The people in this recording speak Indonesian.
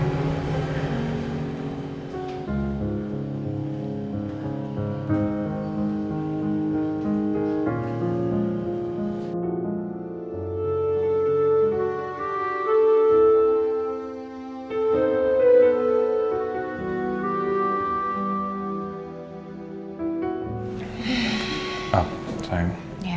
sampai sekarang catherine masih terbaring